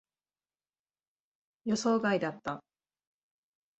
予想外だった。